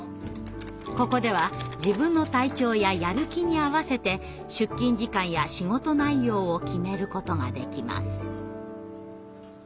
ここでは自分の体調ややる気に合わせて出勤時間や仕事内容を決めることができます。